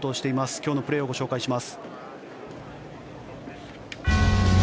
今日のプレーをご紹介します。